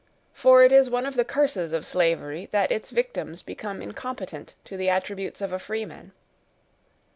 For it is one of the curses of slavery, that its victims become incompetent to the attributes of a freeman.